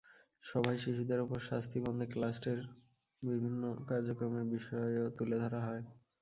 সভায় শিশুদের ওপর শাস্তি বন্ধে ব্লাস্টের বিভিন্ন কার্যক্রমের বিষয়ও তুলে ধরা হয়।